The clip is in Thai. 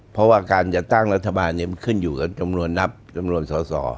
เพราะว่าการจัดตั้งรัฐบาลมันขึ้นอยู่กับจำนวนนับจำนวนสอสอ